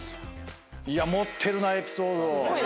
持ってるなエピソード。